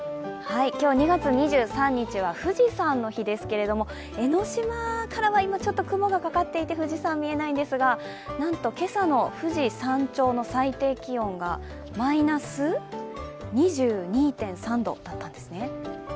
今日、２月２３日は富士山の日ですけれども江の島からは今、ちょっと雲がかかっていて富士山見えないんですが、なんと今朝の富士山頂の最低気温がマイナス２２．３度だったんですね。